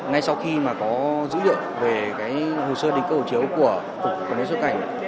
ngay sau khi mà có dữ liệu về cái hồ sơ đình cơ hộ chiếu của cục quản lý xuất nhập cảnh